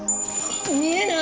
見えない？